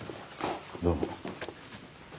どうも。